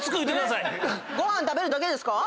ご飯食べるだけですか？